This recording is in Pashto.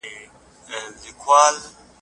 خپل دا شاعر دې کړ اشنا څومره ګلونو سره